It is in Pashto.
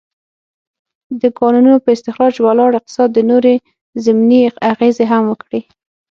د کانونو پر استخراج ولاړ اقتصاد نورې ضمني اغېزې هم وکړې.